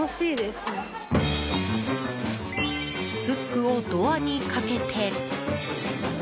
フックをドアにかけて。